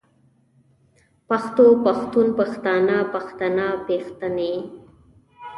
پښتو پښتون پښتانۀ پښتنه پښتنې